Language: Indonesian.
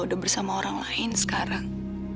udah bersama orang lain sekarang